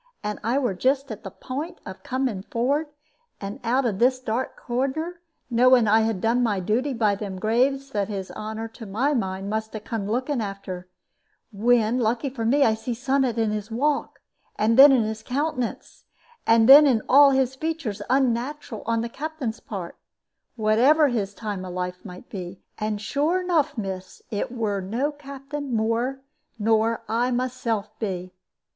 And I were just at the pint of coming forrard, out of this here dark cornder, knowing as I had done my duty by them graves that his honor, to my mind, must 'a come looking after, when, lucky for me, I see summat in his walk, and then in his countenance, and then in all his features, unnateral on the Captain's part, whatever his time of life might be. And sure enough, miss, it were no Captain more nor I myself be."